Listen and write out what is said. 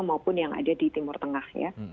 maupun yang ada di timur tengah ya